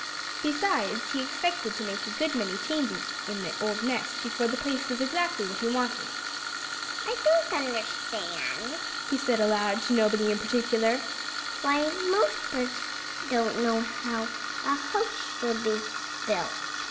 Besides, he expected to make a good many changes in the old nest before the place was exactly what he wanted. "I don't understand," he said aloud to nobody in particular, "why most birds don't know how a house should be built.